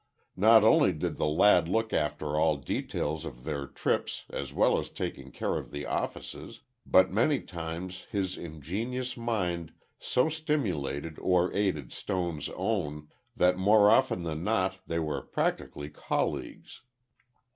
Not only did the lad look after all details of their trips as well as taking care of the offices, but many times his ingenious mind so stimulated or aided Stone's own, that more often than not they were practically colleagues.